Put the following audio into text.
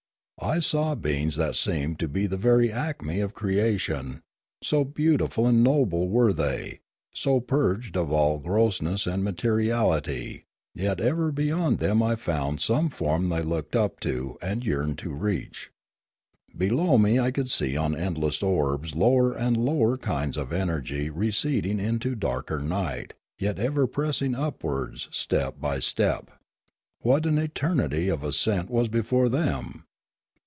I saw beings that seemed to be the very acme of crea tion, so beautiful and noble were they, so purged of all grossness and materiality; yet ever beyond them I found some form they looked up to and yearned to reach. Below me I could see on endless orbs lower and lower kinds of energy receding into darker night, yet ever pressing upwards, step by step. What an eternity of ascent was before them!